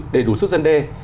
để đủ xuất dân đề